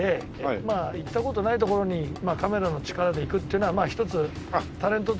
まあ行った事ない所にカメラの力で行くっていうのは一つタレントとしての特権かなと。